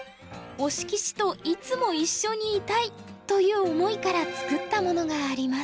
「推し棋士といつも一緒にいたい」という思いから作ったものがあります。